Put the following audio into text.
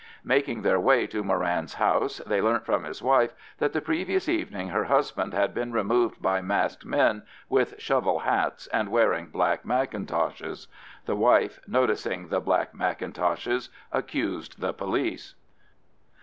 Making their way to Moran's house, they learnt from his wife that the previous evening her husband had been removed by masked men with shovel hats and wearing black mackintoshes. The wife, noticing the black mackintoshes, accused the police.